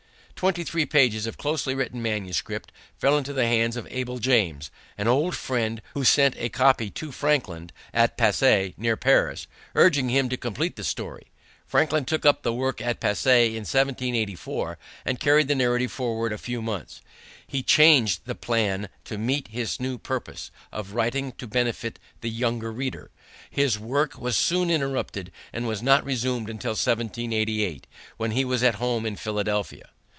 Twenty three pages of closely written manuscript fell into the hands of Abel James, an old friend, who sent a copy to Franklin at Passy, near Paris, urging him to complete the story. Franklin took up the work at Passy in 1784 and carried the narrative forward a few months. He changed the plan to meet his new purpose of writing to benefit the young reader. His work was soon interrupted and was not resumed until 1788, when he was at home in Philadelphia.